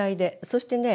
そしてね